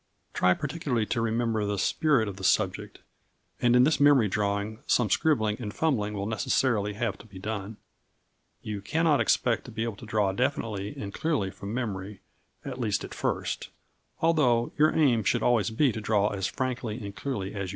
Try particularly to remember the spirit of the subject, and in this memory drawing some scribbling and fumbling will necessarily have to be done. You cannot expect to be able to draw definitely and clearly from memory, at least at first, although your aim should always be to draw as frankly and clearly as you can.